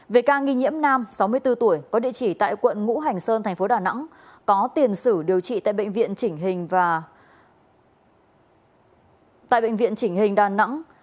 về ca nghi nhiễm nam sáu mươi bốn tuổi có địa chỉ tại quận ngũ hành sơn tp đà nẵng có tiền sử điều trị tại bệnh viện chỉnh hình đà nẵng